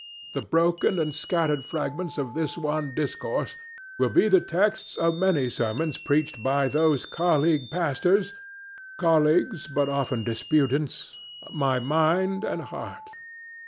The broken and scattered fragments of this one discourse will be the texts of many sermons preached by those colleague pastors—colleagues, but often disputants—my Mind and Heart.